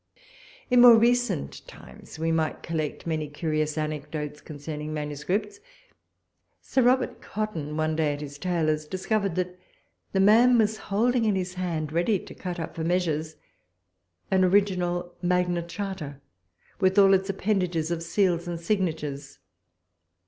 In more recent times, we might collect many curious anecdotes concerning manuscripts. Sir Robert Cotton one day at his tailor's discovered that the man was holding in his hand, ready to cut up for measures an original Magna Charta, with all its appendages of seals and signatures.